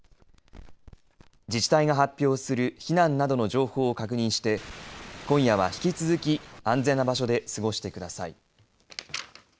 自治体が発表する避難などの情報を確認して今夜は引き続き安全な場所で過ごしてください。